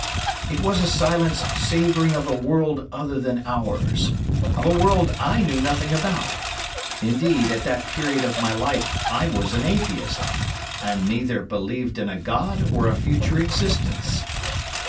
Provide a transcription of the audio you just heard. It was a silence savouring of a world other than ours—of a world I knew nothing about—indeed, at that period of my life I was an atheist, and neither believed in a God or a future existence.